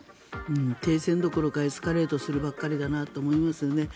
停戦どころかエスカレートするばかりだと思いますね。